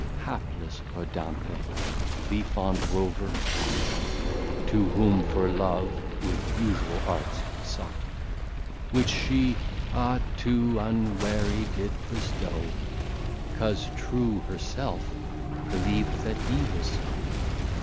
Hapless Rodanthe, the Fond Rover, caught, To whom, for Love, with usual Arts he sought; Which she, ah too unwary, did bestow: 'Cause True her self, believ'd that he was so.